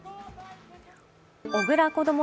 小倉こども